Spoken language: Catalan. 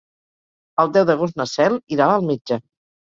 El deu d'agost na Cel irà al metge.